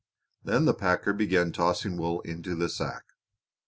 Then the packer began tossing wool into the sack.